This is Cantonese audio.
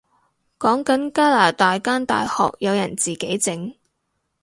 講緊加拿大間大學有人自己整